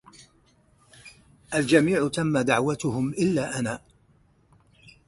الجميع تم دعوتهم إلا أنا.